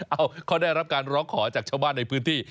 เขาได้รับการร้องขอจากชาวบ้านในพื้นที่